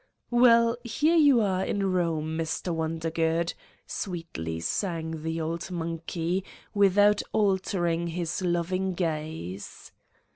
"Well, here you are in Rome, Mr. Wonder good, " sweetly sang the old monkey, without al tering his loving gaze.